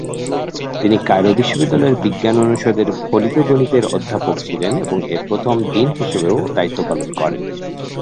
তিনি কায়রো বিশ্ববিদ্যালয়ের বিজ্ঞান অনুষদের ফলিত গণিতের অধ্যাপক ছিলেন এবং এর প্রথম ডিন হিসাবেও দায়িত্ব পালন করেন।